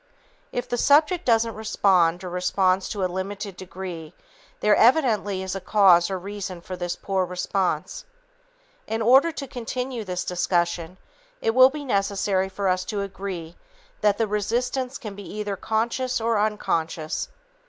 If the subject doesn't respond or responds to a limited degree, there evidently is a cause or reason for this poor response. In order to continue this discussion, it will be necessary for us to agree that the resistance can be either conscious or unconscious.